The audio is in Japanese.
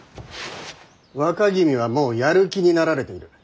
若君はもうやる気になられている。